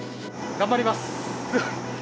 頑張ります。